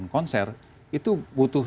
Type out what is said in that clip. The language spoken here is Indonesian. konser itu butuh